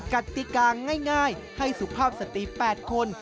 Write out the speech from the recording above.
กติกาง่ายให้สุภาพสติ๘คน